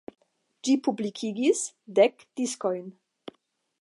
Ĝi publikigis dek diskojn.